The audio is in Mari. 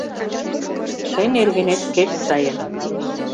Тый нергенет пеш сайын